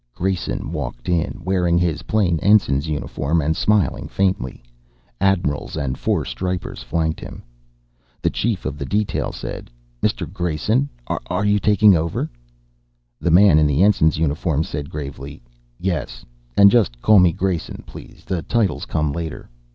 Grayson walked in, wearing his plain ensign's uniform and smiling faintly. Admirals and four stripers flanked him. The chief of the detail said: "Mr. Grayson! Are you taking over?" The man in the ensign's uniform said gravely: "Yes. And just call me 'Grayson,' please. The titles come later.